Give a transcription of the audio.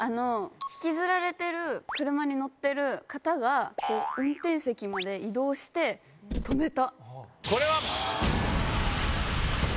引きずられてる車に乗ってる方が運転席まで移動して止めた。